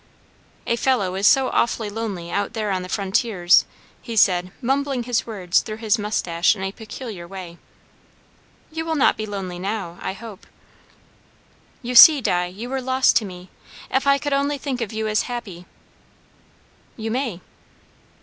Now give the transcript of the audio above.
"A fellow is so awfully lonely out there on the frontiers" he said, mumbling his words through his moustache in a peculiar way. "You will not be lonely now, I hope." "You see, Di, you were lost to me. If I could only think of you as happy" "You may."